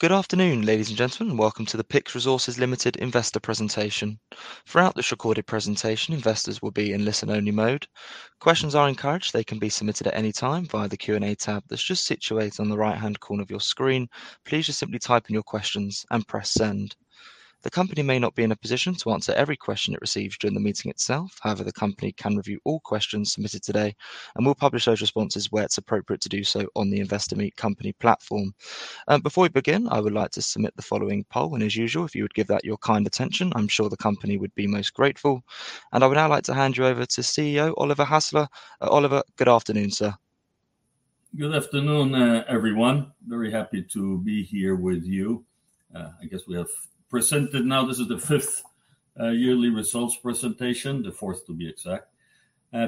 Good afternoon, ladies and gentlemen. Welcome to the PYX Resources Ltd investor presentation. Throughout this recorded presentation, investors will be in listen-only mode. Questions are encouraged. They can be submitted at any time via the Q&A tab that's just situated on the right-hand corner of your screen. Please just simply type in your questions and press Send. The company may not be in a position to answer every question it receives during the meeting itself. However, the company can review all questions submitted today and will publish those responses where it's appropriate to do so on the Investor Meet Company platform. Before we begin, I would like to submit the following poll, and as usual, if you would give that your kind attention, I'm sure the company would be most grateful. I would now like to hand you over to CEO Oliver Hasler. Oliver, good afternoon, sir. Good afternoon, everyone. Very happy to be here with you. I guess we have presented now this is the fifth yearly results presentation, the fourth to be exact.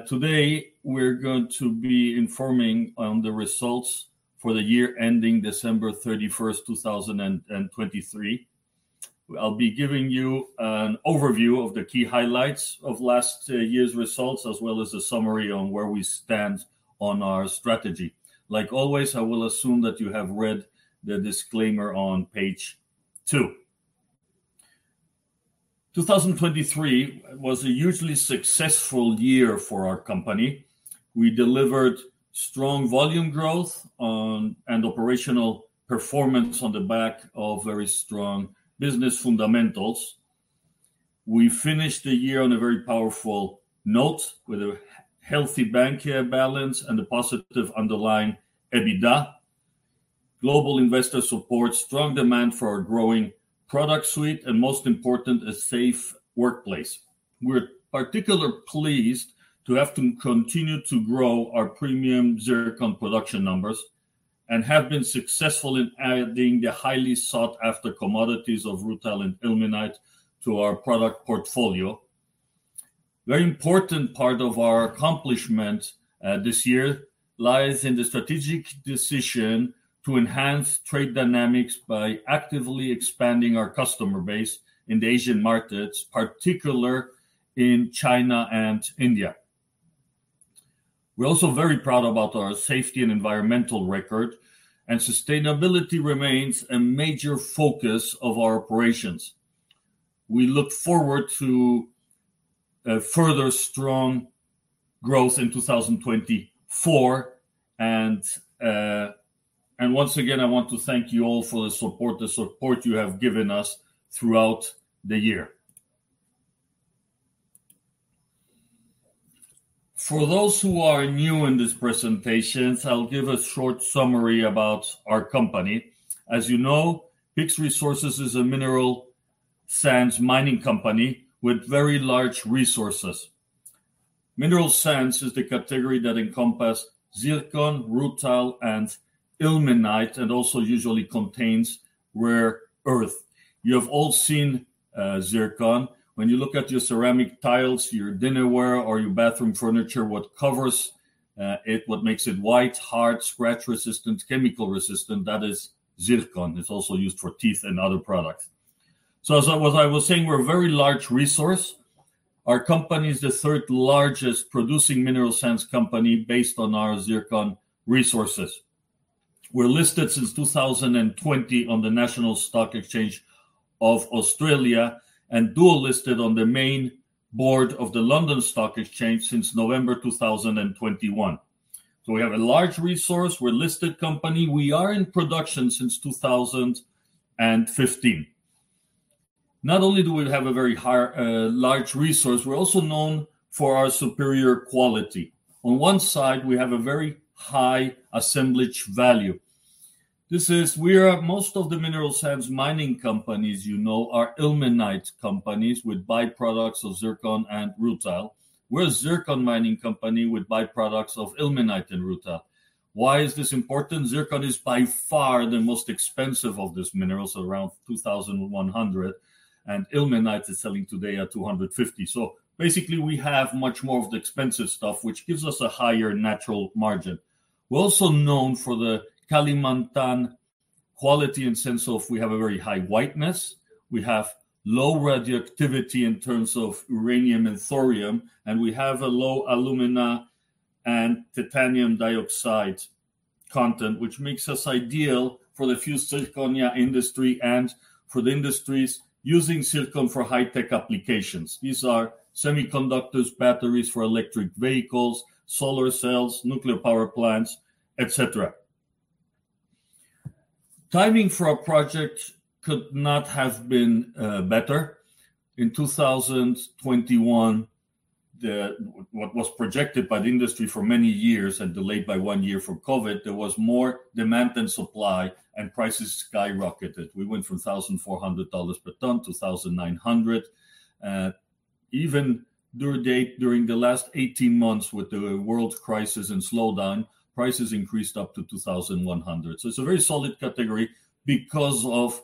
Today we're going to be informing on the results for the year ending December 31st, 2023. I'll be giving you an overview of the key highlights of last year's results as well as a summary on where we stand on our strategy. Like always, I will assume that you have read the disclaimer on page 2. 2023 was a hugely successful year for our company. We delivered strong volume growth and operational performance on the back of very strong business fundamentals. We finished the year on a very powerful note with a healthy bank balance and a positive underlying EBITDA, global investor support, strong demand for our growing product suite, and most important, a safe workplace. We're particularly pleased to have continued to grow our premium zircon production numbers and have been successful in adding the highly sought-after commodities of rutile and ilmenite to our product portfolio. A very important part of our accomplishment this year lies in the strategic decision to enhance trade dynamics by actively expanding our customer base in the Asian markets, particularly in China and India. We're also very proud about our safety and environmental record, and sustainability remains a major focus of our operations. We look forward to further strong growth in 2024. Once again, I want to thank you all for the support you have given us throughout the year. For those who are new in this presentation, I'll give a short summary about our company. As you know, PYX Resources is a mineral sands mining company with very large resources. Mineral sands is the category that encompass zircon, rutile, and ilmenite, and also usually contains rare earth. You have all seen zircon. When you look at your ceramic tiles, your dinnerware, or your bathroom furniture, what covers it, what makes it white, hard, scratch-resistant, chemical-resistant, that is zircon. It's also used for teeth and other products. As I was saying, we're a very large resource. Our company is the third-largest producing mineral sands company based on our zircon resources. We're listed since 2020 on the National Stock Exchange of Australia and dual-listed on the main board of the London Stock Exchange since November 2021. We have a large resource. We're a listed company. We are in production since 2015. Not only do we have a very high large resource, we're also known for our superior quality. On one side, we have a very high assemblage value. Whereas most of the mineral sands mining companies you know are ilmenite companies with byproducts of zircon and rutile. We're a zircon mining company with byproducts of ilmenite and rutile. Why is this important? Zircon is by far the most expensive of these minerals, around $2,100, and ilmenite is selling today at $250. Basically, we have much more of the expensive stuff, which gives us a higher natural margin. We're also known for the Kalimantan quality in sense of we have a very high whiteness, we have low radioactivity in terms of uranium and thorium, and we have a low alumina and titanium dioxide content, which makes us ideal for the fused zirconia industry and for the industries using zircon for high-tech applications. These are semiconductors, batteries for electric vehicles, solar cells, nuclear power plants, et cetera. Timing for our project could not have been better. In 2021, what was projected by the industry for many years and delayed by one year from COVID, there was more demand than supply, and prices skyrocketed. We went from $1,400/ton to $1,900/ton. Even during the last 18 months with the world crisis and slowdown, prices increased up to $2,100. It's a very solid category because of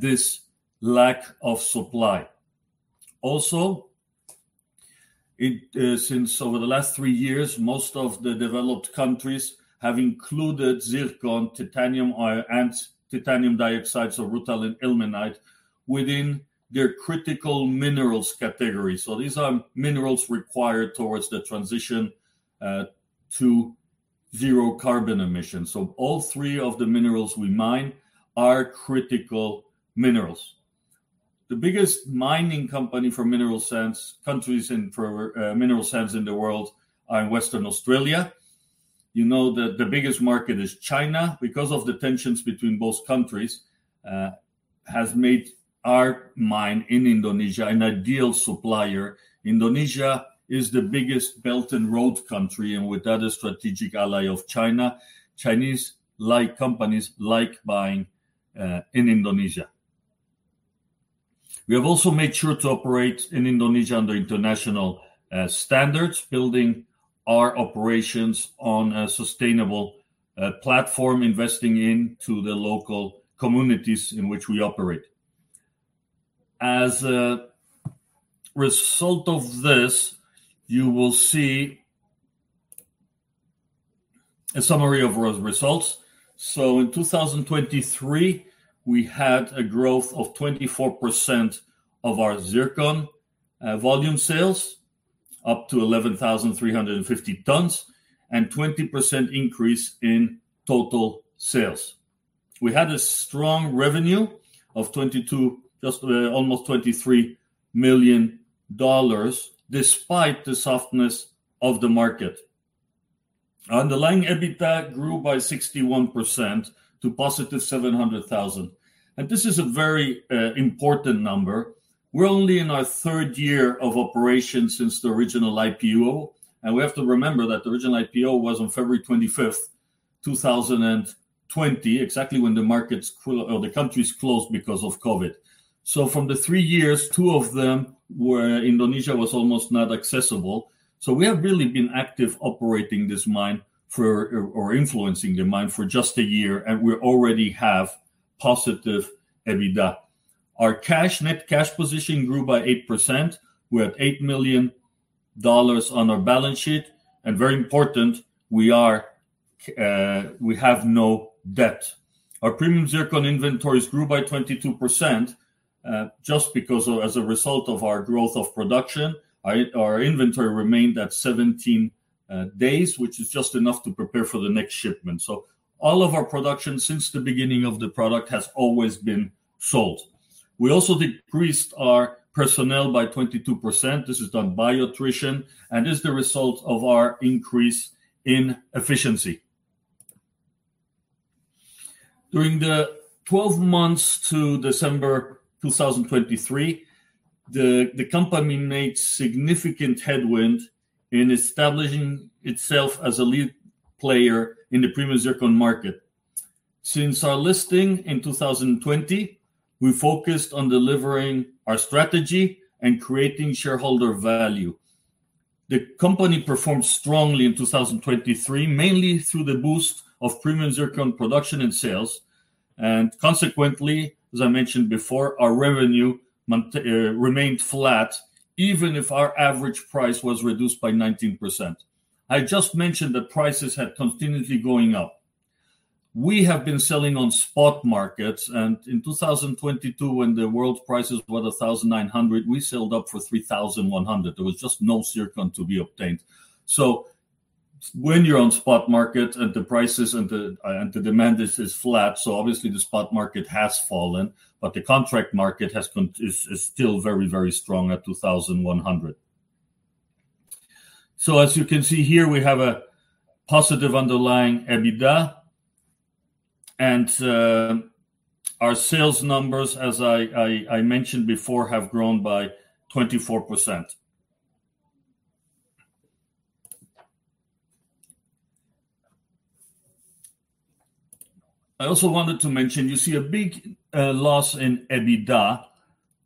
this lack of supply. Also, since over the last three years, most of the developed countries have included zircon, titanium, and titanium dioxide, so rutile and ilmenite, within their critical minerals category. These are minerals required towards the transition to zero-carbon emissions. All three of the minerals we mine are critical minerals. The biggest mining companies for mineral sands in the world are in Western Australia. You know that the biggest market is China because of the tensions between both countries has made our mine in Indonesia an ideal supplier. Indonesia is the biggest Belt and Road country, and with that, a strategic ally of China. Chinese-like companies like buying in Indonesia. We have also made sure to operate in Indonesia under international standards, building our operations on a sustainable platform, investing into the local communities in which we operate. As a result of this, you will see a summary of results. In 2023, we had a growth of 24% of our zircon volume sales up to 11,350 tons and 20% increase in total sales. We had a strong revenue of $22 million, just almost $23 million despite the softness of the market. Underlying EBITDA grew by 61% to +$700,000. This is a very important number. We're only in our 3rd year of operation since the original IPO, and we have to remember that the original IPO was on February 25th, 2020, exactly when the markets or the countries closed because of COVID. From the three years, two of them were Indonesia was almost not accessible. We have really been active operating this mine or influencing the mine for just a year, and we already have positive EBITDA. Our net cash position grew by 8%. We're at $8 million on our balance sheet, and very important, we are, we have no debt. Our premium zircon inventories grew by 22%, just because of as a result of our growth of production. Our inventory remained at 17 days, which is just enough to prepare for the next shipment. All of our production since the beginning of the product has always been sold. We also decreased our personnel by 22%. This is done by attrition and is the result of our increase in efficiency. During the 12 months to December 2023, the company made significant headway in establishing itself as a leading player in the premium zircon market. Since our listing in 2020, we focused on delivering our strategy and creating shareholder value. The company performed strongly in 2023, mainly through the boost of premium zircon production and sales, and consequently, as I mentioned before, our revenue remained flat even if our average price was reduced by 19%. I just mentioned that prices had continuously going up. We have been selling on spot markets, and in 2022, when the world prices were $1,900, we sold up for $3,100. There was just no zircon to be obtained. When you're on spot market and the prices and the demand is flat, obviously the spot market has fallen, but the contract market is still very, very strong at $2,100. As you can see here, we have a positive underlying EBITDA, and our sales numbers, as I mentioned before, have grown by 24%. I also wanted to mention, you see a big loss in EBITDA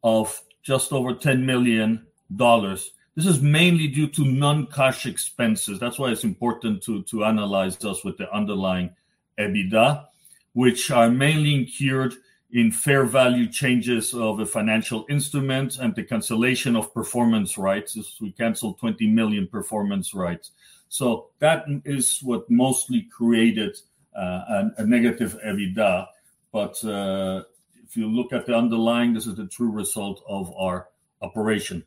of just over $10 million. This is mainly due to non-cash expenses. That's why it's important to analyze those with the underlying EBITDA, which are mainly incurred in fair value changes of the financial instruments and the cancellation of performance rights as we canceled 20 million performance rights. That is what mostly created a negative EBITDA. If you look at the underlying, this is the true result of our operation.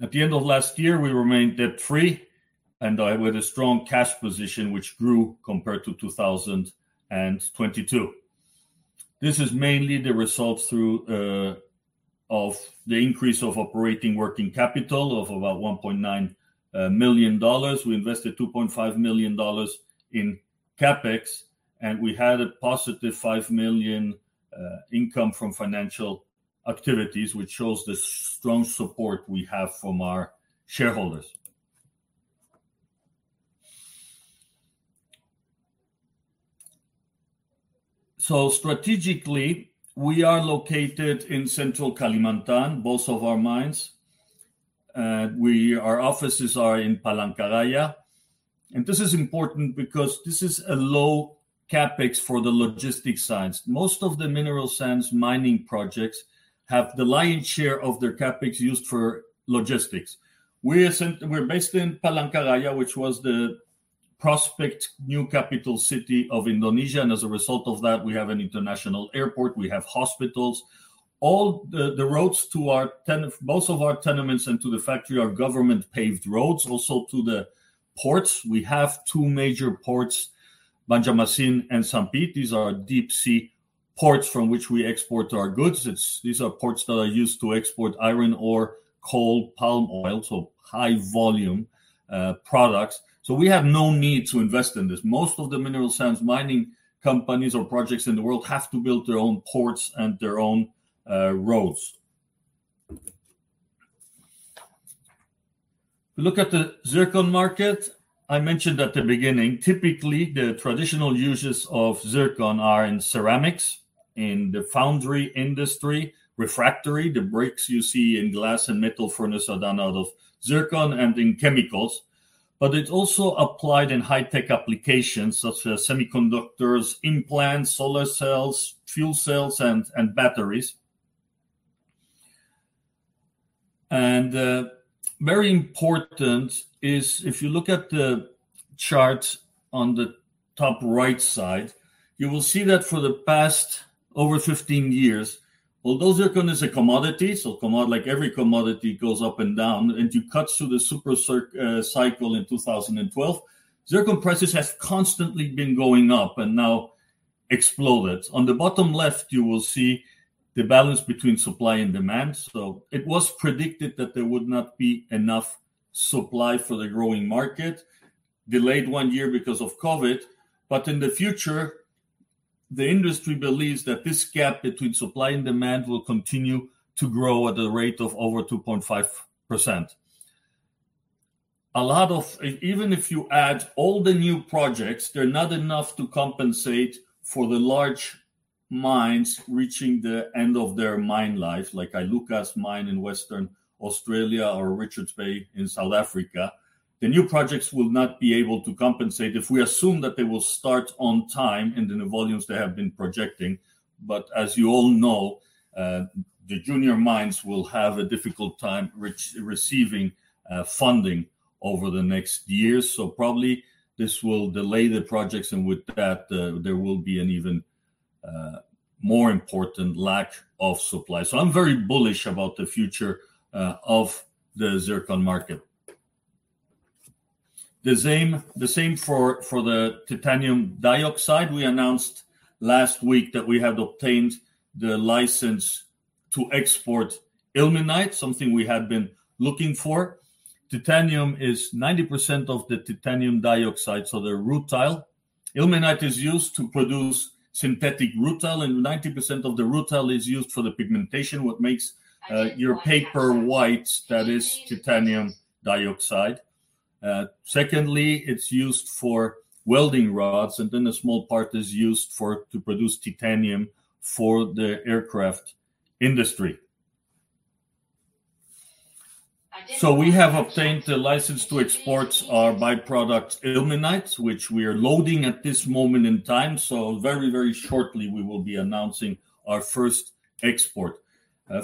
At the end of last year, we remained debt-free and with a strong cash position which grew compared to 2022. This is mainly the result of the increase of operating working capital of about $1.9 million. We invested $2.5 million in CapEx, and we had a +$5 million income from financial activities, which shows the strong support we have from our shareholders. Strategically, we are located in Central Kalimantan, both of our mines. Our offices are in Palangka Raya, and this is important because this is a low CapEx in the logistics sense. Most of the mineral sands mining projects have the lion's share of their CapEx used for logistics. We're based in Palangka Raya, which was the prospective new capital city of Indonesia, and as a result of that, we have an international airport, we have hospitals. All the roads to most of our tenements and to the factory are government-paved roads, also to the ports. We have two major ports, Banjarmasin and Sampit. These are deep sea ports from which we export our goods. These are ports that are used to export iron ore, coal, palm oil, so high volume products. We have no need to invest in this. Most of the mineral sands mining companies or projects in the world have to build their own ports and their own roads. If you look at the zircon market, I mentioned at the beginning, typically the traditional uses of zircon are in ceramics, in the foundry industry, refractory, the bricks you see in glass and metal furnace are done out of zircon, and in chemicals. It's also applied in high-tech applications such as semiconductors, implants, solar cells, fuel cells, and batteries. Very important is if you look at the chart on the top right side, you will see that for the past over 15 years, although zircon is a commodity, so like every commodity goes up and down, and you cut through the super cycle in 2012, zircon prices have constantly been going up and now exploded. On the bottom left, you will see the balance between supply and demand. It was predicted that there would not be enough supply for the growing market, delayed one year because of COVID. In the future, the industry believes that this gap between supply and demand will continue to grow at a rate of over 2.5%. Even if you add all the new projects, they're not enough to compensate for the large mines reaching the end of their mine life, like Iluka's mine in Western Australia or Richards Bay in South Africa. The new projects will not be able to compensate if we assume that they will start on time in the new volumes they have been projecting. As you all know, the junior mines will have a difficult time receiving funding over the next years. Probably this will delay the projects, and with that, there will be an even more important lack of supply. I'm very bullish about the future of the zircon market. The same for the titanium dioxide. We announced last week that we have obtained the license to export ilmenite, something we had been looking for. Titanium is 90% of the titanium dioxide, so the rutile. Ilmenite is used to produce synthetic rutile, and 90% of the rutile is used for the pigmentation, what makes your paper white, that is titanium dioxide. Secondly, it's used for welding rods, and then a small part is used to produce titanium for the aircraft industry. We have obtained the license to export our by-product ilmenite, which we are loading at this moment in time. Very, very shortly we will be announcing our first export.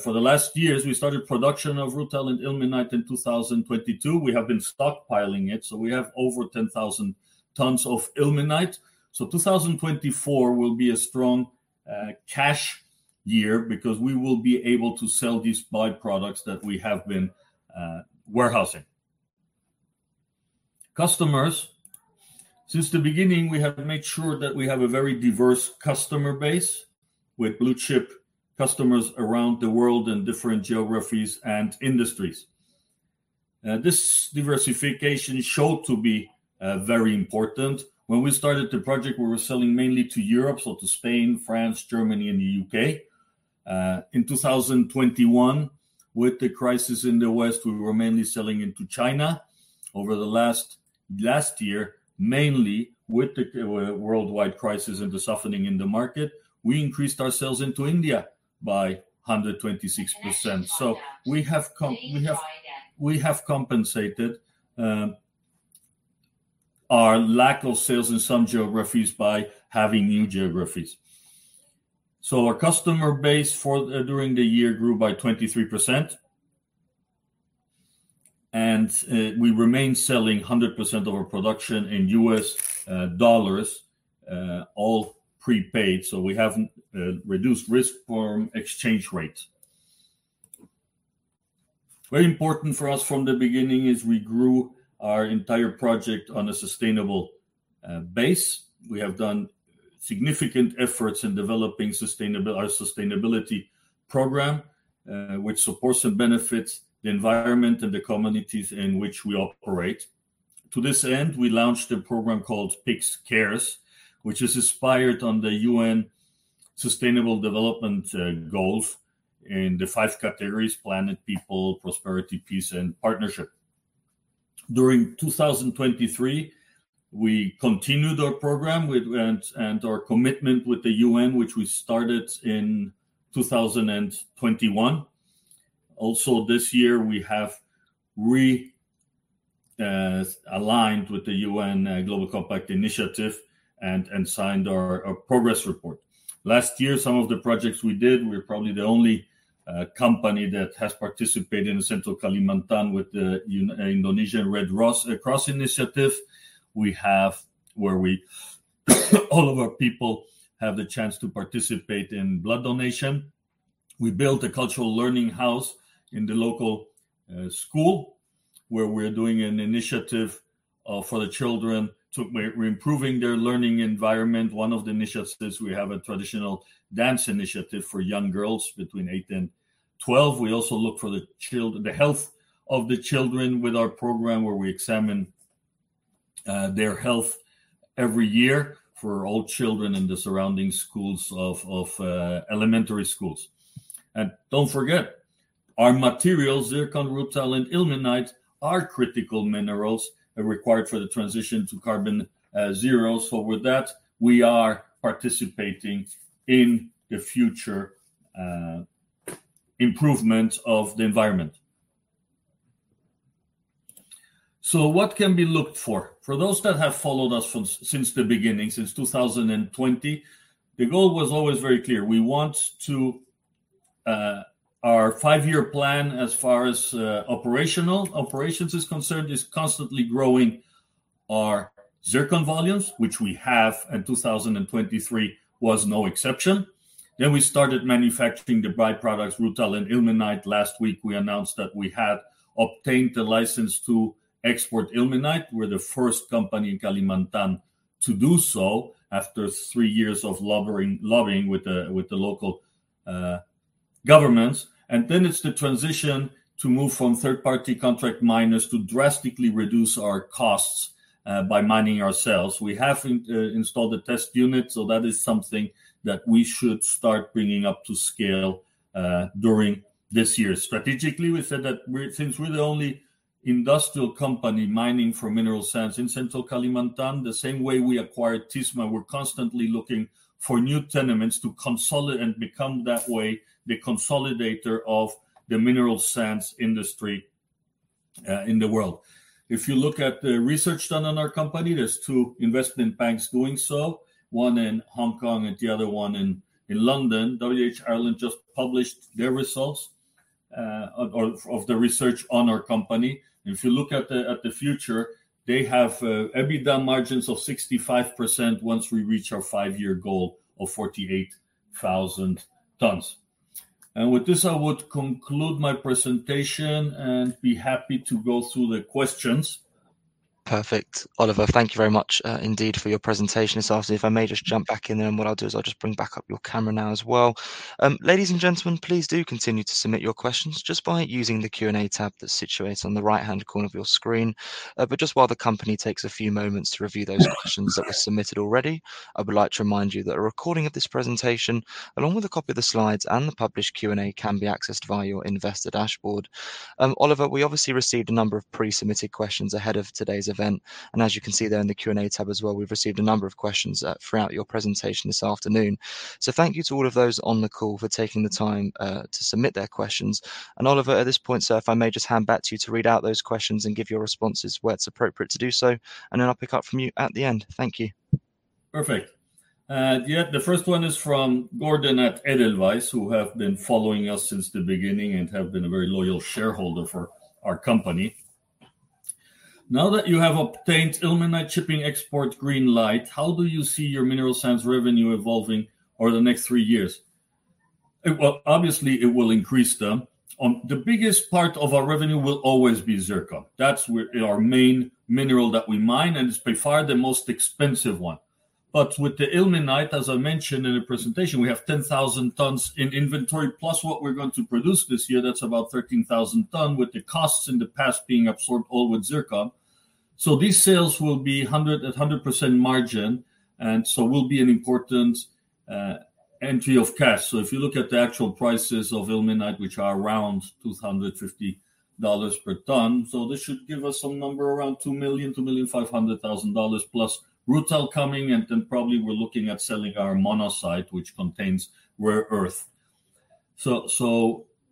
For the last years, we started production of rutile and ilmenite in 2022. We have been stockpiling it, so we have over 10,000 tons of ilmenite. 2024 will be a strong cash year because we will be able to sell these by-products that we have been warehousing customers. Since the beginning, we have made sure that we have a very diverse customer base with blue-chip customers around the world in different geographies and industries. This diversification showed to be very important. When we started the project, we were selling mainly to Europe, so to Spain, France, Germany, and the U.K. In 2021, with the crisis in the West, we were mainly selling into China. Over the last year, mainly with the worldwide crisis and the softening in the market, we increased our sales into India by 126%. We have compensated our lack of sales in some geographies by having new geographies. Our customer base during the year grew by 23%. We remain selling 100% of our production in U.S. dollars, all prepaid, so we have reduced risk from exchange rates. Very important for us from the beginning is we grew our entire project on a sustainable base. We have done significant efforts in developing our sustainability program, which supports and benefits the environment and the communities in which we operate. To this end, we launched a program called PYX Cares, which is inspired on the UN Sustainable Development Goals in the five categories: planet, people, prosperity, peace, and partnership. During 2023, we continued our program with our commitment with the UN, which we started in 2021. This year, we have aligned with the UN Global Compact Initiative and signed our progress report. Last year, some of the projects we did, we're probably the only a company that has participated in Central Kalimantan with the Indonesian Red Cross initiative. We have, where all of our people have the chance to participate in blood donation. We built a cultural learning house in the local school where we're doing an initiative for the children to. We're improving their learning environment. One of the initiatives, we have a traditional dance initiative for young girls between eight and 12. We also look for the health of the children with our program, where we examine their health every year for all children in the surrounding schools of elementary schools. Don't forget, our materials, zircon, rutile and ilmenite are critical minerals required for the transition to carbon zero. With that, we are participating in the future improvement of the environment. What can be looked for? For those that have followed us from since the beginning, since 2020, the goal was always very clear. We want to our five-year plan as far as operational is concerned, is constantly growing our zircon volumes, which we have, and 2023 was no exception. We started manufacturing the byproducts rutile and ilmenite. Last week, we announced that we had obtained the license to export ilmenite. We're the first company in Kalimantan to do so after three years of lobbying with the local governments. It's the transition to move from third-party contract miners to drastically reduce our costs by mining ourselves. We have installed a test unit, so that is something that we should start bringing up to scale during this year. Strategically, we said that we're since we're the only industrial company mining for mineral sands in Central Kalimantan, the same way we acquired Tisma, we're constantly looking for new tenements to consolidate and become that way, the consolidator of the mineral sands industry in the world. If you look at the research done on our company, there's two investment banks doing so, one in Hong Kong and the other one in London. WH Ireland just published their results of the research on our company. If you look at the future, they have EBITDA margins of 65% once we reach our five-year goal of 48,000 tons. With this, I would conclude my presentation and be happy to go through the questions. Perfect. Oliver, thank you very much, indeed for your presentation this afternoon. If I may just jump back in there, and what I'll do is I'll just bring back up your camera now as well. Ladies and gentlemen, please do continue to submit your questions just by using the Q&A tab that's situated on the right-hand corner of your screen. Just while the company takes a few moments to review those questions that were submitted already, I would like to remind you that a recording of this presentation, along with a copy of the slides and the published Q&A, can be accessed via your investor dashboard. Oliver, we obviously received a number of pre-submitted questions ahead of today's event, and as you can see there in the Q&A tab as well, we've received a number of questions, throughout your presentation this afternoon. Thank you to all of those on the call for taking the time to submit their questions. Oliver, at this point, sir, if I may just hand back to you to read out those questions and give your responses where it's appropriate to do so, and then I'll pick up from you at the end. Thank you. Perfect. The first one is from Gordon at Edelweiss, who have been following us since the beginning and have been a very loyal shareholder for our company. "Now that you have obtained ilmenite shipping export green light, how do you see your mineral sands revenue evolving over the next three years?" Well, obviously, it will increase them. The biggest part of our revenue will always be zircon. That's our main mineral that we mine, and it's by far the most expensive one. With the ilmenite, as I mentioned in the presentation, we have 10,000 tons in inventory, plus what we're going to produce this year. That's about 13,000 tons, with the costs in the past being absorbed all with zircon. These sales will be a hundred percent margin, and so will be an important entry of cash. If you look at the actual prices of ilmenite, which are around $250/ton, this should give us some number around $2 million-$2.5 million, plus rutile coming, and then probably we're looking at selling our monazite, which contains rare earth.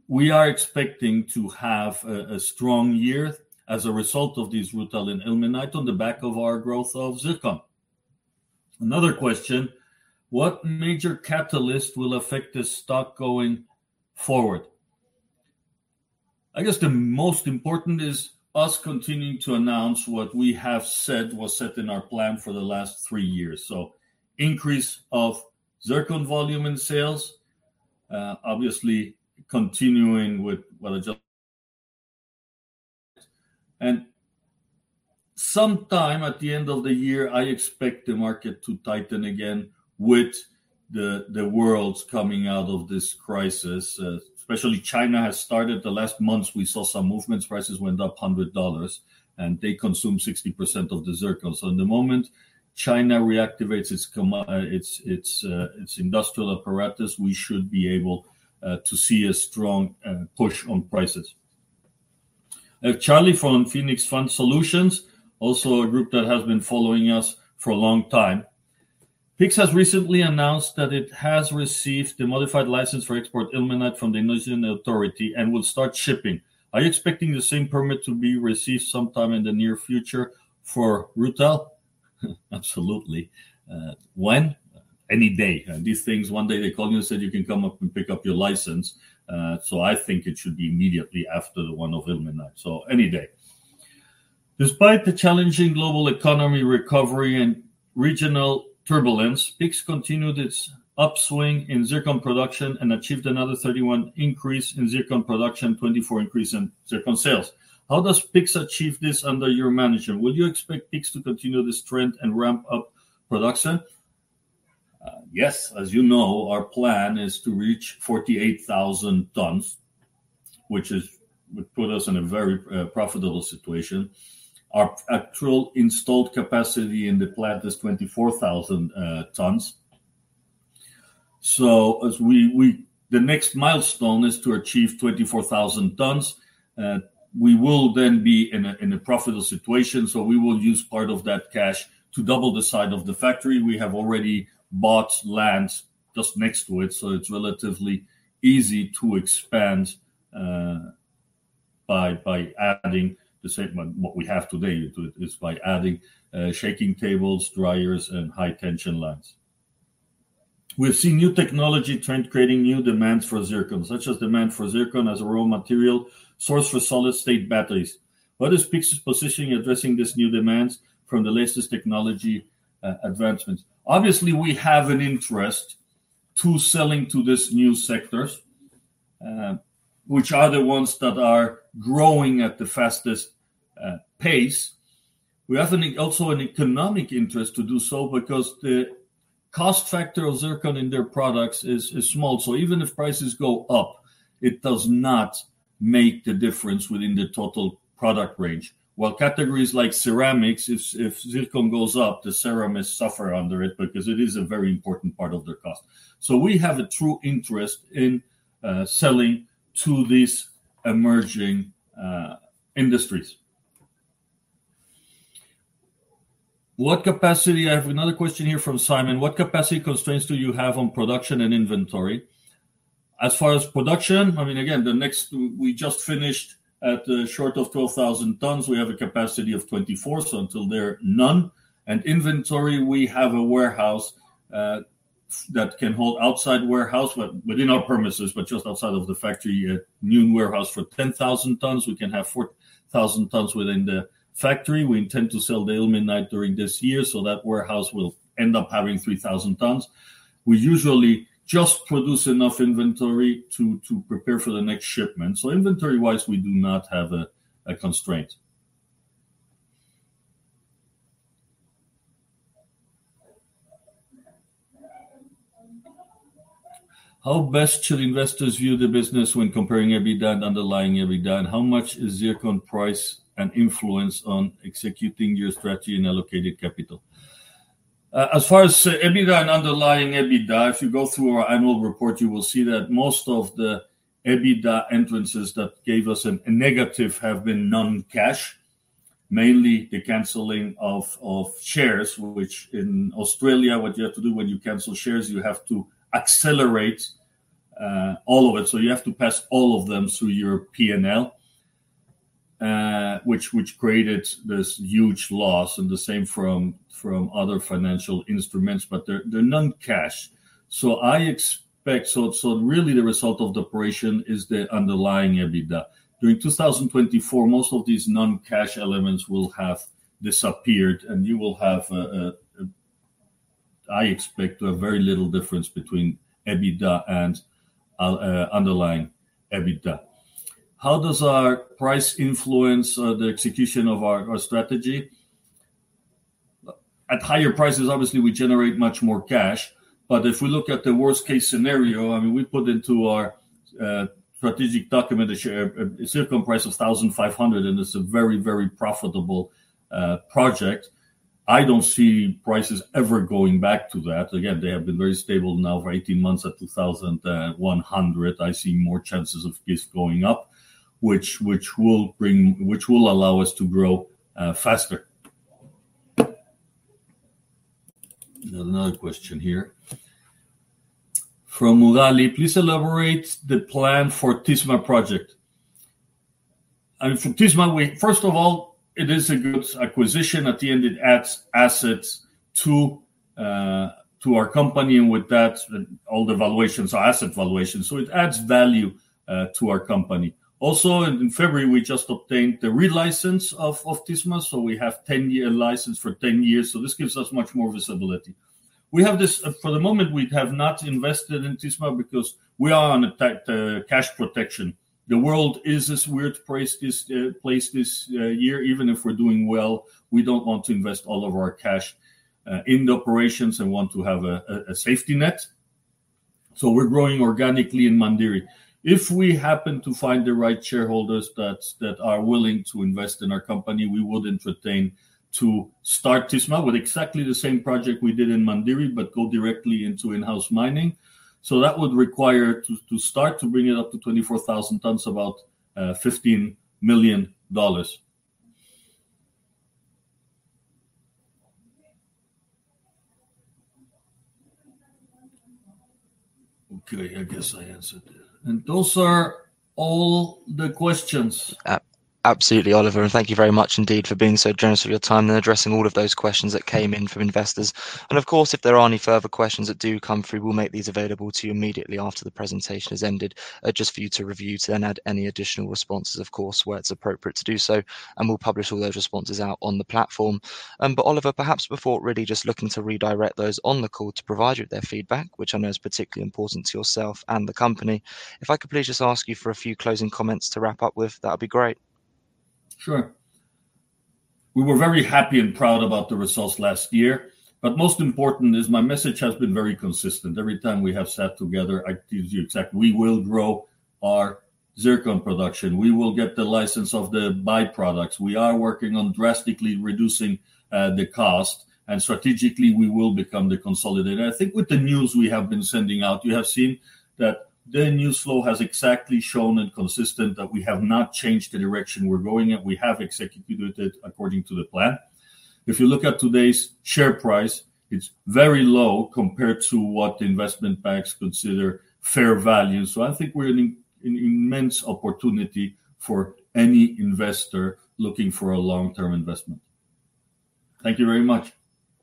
We are expecting to have a strong year as a result of these rutile and ilmenite on the back of our growth of zircon. Another question: "What major catalyst will affect this stock going forward?" I guess the most important is us continuing to announce what we have said was set in our plan for the last three years. Increase of zircon volume in sales, obviously continuing with what I just Sometime at the end of the year, I expect the market to tighten again with the world's coming out of this crisis, especially China has started. In the last months, we saw some movements, prices went up $100, and they consume 60% of the zircon. The moment China reactivates its industrial apparatus, we should be able to see a strong push on prices. Charlie from Phoenix Fund Solutions, also a group that has been following us for a long time. "PYX has recently announced that it has received the modified license for export ilmenite from the Indonesian Authority and will start shipping. Are you expecting the same permit to be received sometime in the near future for rutile?" Absolutely. When? Any day. These things, one day they call you and said, "You can come up and pick up your license." I think it should be immediately after the ton of ilmenite. Any day. Despite the challenging global economic recovery and regional turbulence, PYX continued its upswing in zircon production and achieved another 31% increase in zircon production, 24% increase in zircon sales. How does PYX achieve this under your management? Do you expect PYX to continue this trend and ramp up production? Yes. As you know, our plan is to reach 48,000 tons, which would put us in a very profitable situation. Our actual installed capacity in the plant is 24,000 tons. The next milestone is to achieve 24,000 tons. We will then be in a profitable situation. We will use part of that cash to double the size of the factory. We have already bought land just next to it, so it's relatively easy to expand by adding the same what we have today. It is by adding shaking tables, dryers and high-tension separators. We're seeing new technology trend creating new demands for zircon, such as demand for zircon as a raw material source for solid-state batteries. What is PYX's positioning addressing these new demands from the latest technology advancements? Obviously, we have an interest in selling to these new sectors, which are the ones that are growing at the fastest pace. We have also an economic interest to do so because the cost factor of zircon in their products is small. Even if prices go up, it does not make the difference within the total product range. While categories like ceramics if zircon goes up, the ceramics suffer under it because it is a very important part of their cost. We have a true interest in selling to these emerging industries. I have another question here from Simon. What capacity constraints do you have on production and inventory? As far as production, I mean, again, we just finished at short of 12,000 tons. We have a capacity of 24,000 tons, so until there, none. Inventory, we have a warehouse that can hold outside warehouse but within our premises, but just outside of the factory, a new warehouse for 10,000 tons. We can have 4,000 tons within the factory. We intend to sell the ilmenite during this year, so that warehouse will end up having 3,000 tons. We usually just produce enough inventory to prepare for the next shipment. So inventory-wise, we do not have a constraint. How best should investors view the business when comparing EBITDA and underlying EBITDA, and how much is zircon price an influence on executing your strategy and allocated capital? As far as EBITDA and underlying EBITDA, if you go through our annual report, you will see that most of the EBITDA expenses that gave us a negative have been non-cash. Mainly the canceling of shares, which in Australia, what you have to do when you cancel shares, you have to accelerate all of it. You have to pass all of them through your P&L, which created this huge loss and the same from other financial instruments, but they're non-cash. Really the result of the operation is the underlying EBITDA. During 2024, most of these non-cash elements will have disappeared, and you will have. I expect a very little difference between EBITDA and underlying EBITDA. How does our price influence the execution of our strategy? At higher prices, obviously, we generate much more cash. If we look at the worst-case scenario, I mean, we put into our strategic document a zircon price of $1,500, and it's a very profitable project. I don't see prices ever going back to that. Again, they have been very stable now for 18 months at $2,100. I see more chances of this going up, which will allow us to grow faster. Another question here from Muggli. Please elaborate the plan for Tisma project. For Tisma, first of all, it is a good acquisition. At the end, it adds assets to our company, and with that, all the valuations are asset valuations, so it adds value to our company. Also, in February, we just obtained the relicense of Tisma, so we have 10-year license for 10 years, so this gives us much more visibility. For the moment, we have not invested in Tisma because we are on a tight cash protection. The world is this weird place this year. Even if we're doing well, we don't want to invest all of our cash in the operations and want to have a safety net. We're growing organically in Mandiri. If we happen to find the right shareholders that are willing to invest in our company, we would entertain to start Tisma with exactly the same project we did in Mandiri but go directly into in-house mining. That would require to start to bring it up to 24,000 tons, about $15 million. Okay, I guess I answered that. Those are all the questions. Absolutely, Oliver, and thank you very much indeed for being so generous with your time and addressing all of those questions that came in from investors. Of course, if there are any further questions that do come through, we'll make these available to you immediately after the presentation has ended, just for you to review to then add any additional responses, of course, where it's appropriate to do so, and we'll publish all those responses out on the platform. Oliver, perhaps before really just looking to redirect those on the call to provide you with their feedback, which I know is particularly important to yourself and the company, if I could please just ask you for a few closing comments to wrap up with, that'd be great. Sure. We were very happy and proud about the results last year. Most important is my message has been very consistent. Every time we have sat together, I give you exact. We will grow our zircon production. We will get the license of the byproducts. We are working on drastically reducing the cost, and strategically, we will become the consolidator. I think with the news we have been sending out, you have seen that the news flow has exactly shown and consistent that we have not changed the direction we're going in. We have executed it according to the plan. If you look at today's share price, it's very low compared to what investment banks consider fair value. I think we're an immense opportunity for any investor looking for a long-term investment. Thank you very much.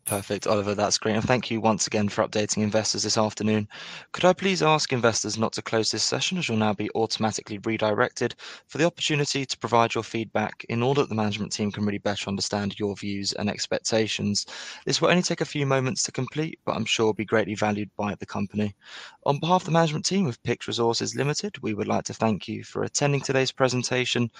Perfect, Oliver. That's great. Thank you once again for updating investors this afternoon. Could I please ask investors not to close this session, as you'll now be automatically redirected, for the opportunity to provide your feedback in order that the management team can really better understand your views and expectations. This will only take a few moments to complete, but I'm sure will be greatly valued by the company. On behalf of the management team of PYX Resources Ltd, we would like to thank you for attending today's presentation.